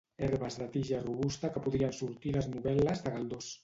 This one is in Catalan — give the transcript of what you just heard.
Herbes de tija robusta que podrien sortir a les novel·les de Galdós.